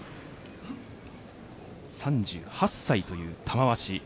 ３８歳という玉鷲。